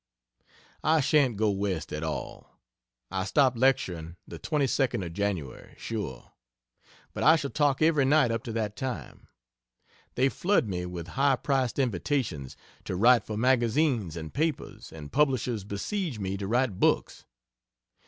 I shan't go West at all. I stop lecturing the 22d of January, sure. But I shall talk every night up to that time. They flood me with high priced invitations to write for magazines and papers, and publishers besiege me to write books.